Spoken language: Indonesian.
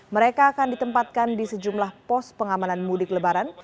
mereka akan ditempatkan di sejumlah pos pengamanan mudik lebaran